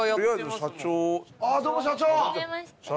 どうも社長。